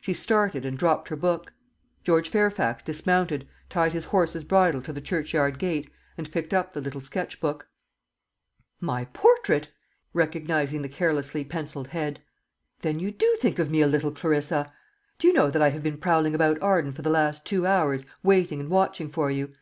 She started and dropped her book. George Fairfax dismounted, tied his horse's bridle to the churchyard gate, and picked up the little sketch book. "My portrait!" he cried, recognizing the carelessly pencilled bead. "Then you do think of me a little, Clarissa! Do you know that I have been prowling about Arden for the last two hours, waiting and watching for you?